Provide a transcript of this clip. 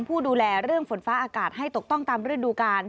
ผู้ดูแลเรื่องฝนฟ้าอากาศให้ตกต้องตามฤดูกาล